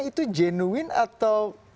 itu jenuin atau